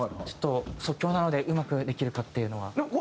ちょっと即興なのでうまくできるかっていうのは。